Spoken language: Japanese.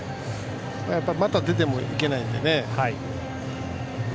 また傷めてもいけないのでね。